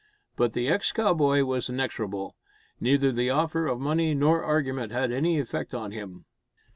But the ex cowboy was inexorable. Neither the offer of money nor argument had any effect on him.